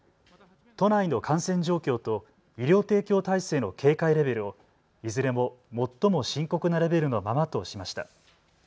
都内の感染状況と医療提供体制の警戒レベルをいずれも最も深刻なレベルのままとしました。